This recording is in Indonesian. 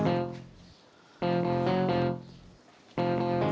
kok nggak keluar keluar juga